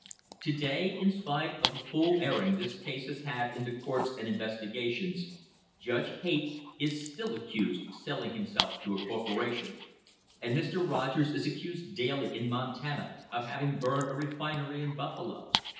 To day, in spite of the full airing this case has had in the courts and investigations, Judge Haight is still accused of selling himself to a corporation, and Mr. Rogers is accused daily in Montana of having burned a re finery in Buffalo.